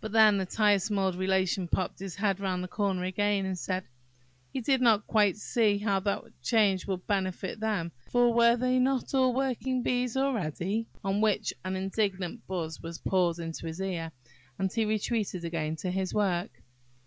But then the tiresome old Relation popped his head round the corner again, and said, he did not quite see how that change would benefit them, for were they not all working bees already?–on which an indignant buzz was poured into his ear, and he retreated again to his work.